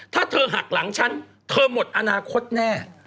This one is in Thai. ถ้าเธอหักหลังฉันเธอหมดอนาคตแน่